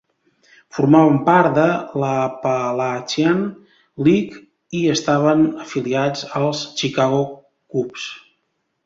Formaven part de l'Appalachian League i estaven afiliats als Chicago Cubs.